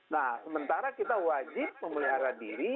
nah sementara kita wajib memelihara diri